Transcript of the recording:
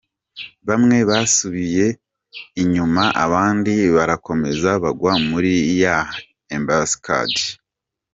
Bamwe basubiye inyuma, abandi barakomeza bagwa muri ya embuscade.